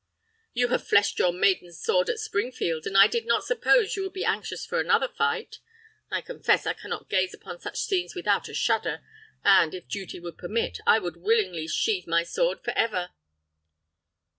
"You have fleshed your maiden sword at Springfield, and I did not suppose you would be anxious for another fight. I confess I can not gaze upon such scenes without a shudder, and, if duty would permit, I would willingly sheathe my sword forever."